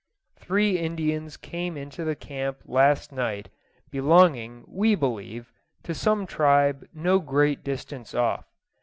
Three Indians came into the camp last night, belonging, we believe, to some tribe no great distance off.